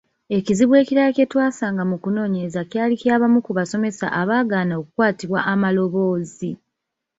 Ekizibu ekirala kye twasanga mu kunoonyereza kyali ky’abamu ku basomesa abaagaana okukwatibwa amaloboozi.